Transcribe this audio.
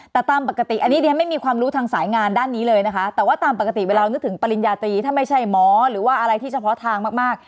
แต่ตามปกติอันนี้เรียนไม่มีความรู้ทางสายงานด้านนี้เลยนะคะแต่ว่าตามปกติเวลานึกถึงปริญญาตรีถ้าไม่ใช่หมอหรือว่าอะไรที่เฉพาะทางมากมาก